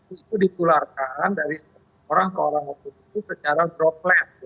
itu ditularkan dari orang ke orang lain secara droplet